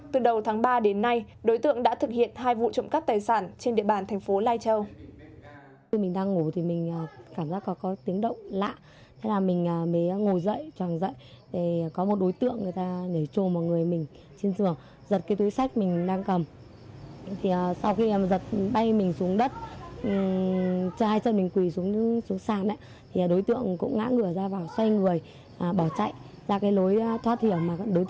từ đầu tháng ba đến nay đối tượng đã thực hiện hai vụ trụng cắp tài sản trên địa bàn tp lai châu